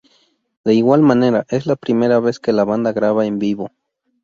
De igual manera, es la primera vez que la banda graba en vivo.